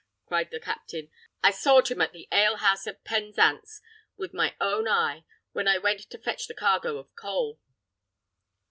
cried the captain; "I sawed him at the ale house at Penzance with my own eye, when I went to fetch the cargo of coal."